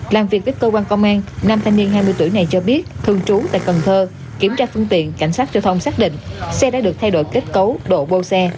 làm việc với cơ quan công an nam thanh niên hai mươi tuổi này cho biết thường trú tại cần thơ kiểm tra phương tiện cảnh sát giao thông xác định xe đã được thay đổi kết cấu độ bô xe